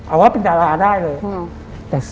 เอาว่าเป็นดาราได้เลย